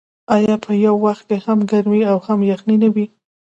آیا په یو وخت کې هم ګرمي او هم یخني نه وي؟